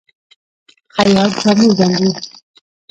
خیاط جامې ګنډي.